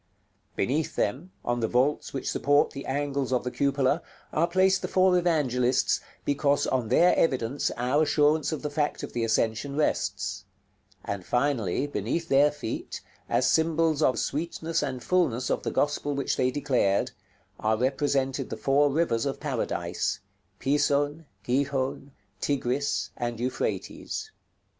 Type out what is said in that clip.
Beneath them, on the vaults which support the angles of the cupola, are placed the four Evangelists, because on their evidence our assurance of the fact of the ascension rests; and, finally, beneath their feet, as symbols of the sweetness and fulness of the Gospel which they declared, are represented the four rivers of Paradise, Pison, Gihon, Tigris, and Euphrates.